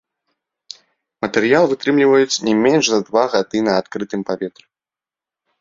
Матэрыял вытрымліваюць не менш за два гады на адкрытым паветры.